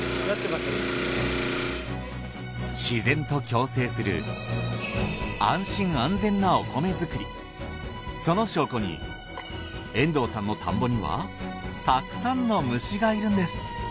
自然と共生するその証拠に遠藤さんの田んぼにはたくさんの虫がいるんです。